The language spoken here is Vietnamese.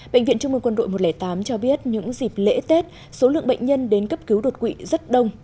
bệnh viện trung mương quân đội một trăm linh tám cho biết những dịp lễ tết số lượng bệnh nhân đến cấp cứu đột quỵ rất đông